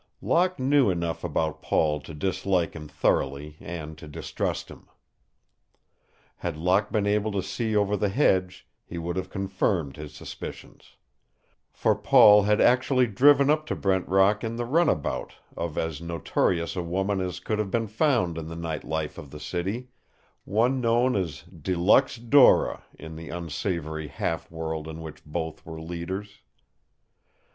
Locke knew enough about Paul to dislike him thoroughly and to distrust him. Had Locke been able to see over the hedge he would have confirmed his suspicions. For Paul had actually driven up to Brent Rock in the runabout of as notorious a woman as could have been found in the night life of the city one known as De Luxe Dora in the unsavory half world in which both were leaders.